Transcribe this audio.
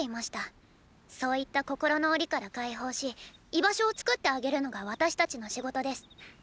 そういった心の檻から解放し居場所を作ってあげるのが私たちの仕事です。